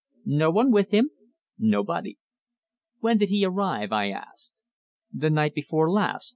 "No one with him?" "Nobody." "When did he arrive?" I asked. "The night before last.